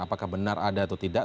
apakah benar ada atau tidak